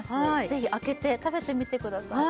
ぜひ開けて食べてみてください